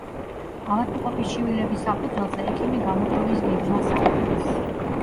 ავადმყოფის ჩივილების საფუძველზე ექიმი გამოკვლევის გეგმას ადგენს.